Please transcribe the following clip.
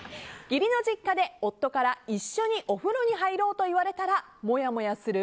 義理の実家で夫から一緒にお風呂に入ろうと言われたらもやもやする？